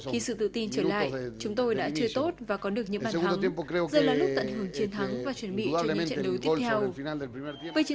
khi sự tự tin trở lại chúng tôi đã chưa tốt và có được những bàn thắng giờ là lúc tận hưởng chiến thắng và chuẩn bị cho những trận đấu tiếp theo